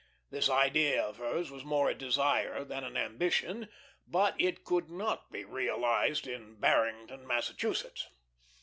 This idea of hers was more a desire than an ambition, but it could not be realised in Barrington, Massachusetts.